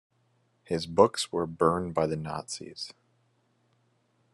His books were burned by the Nazis.